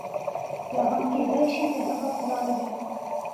یا هم کېدای شي د هغه پلار وي.